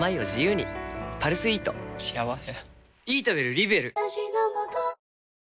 幸せ。